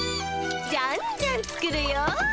じゃんじゃん作るよ。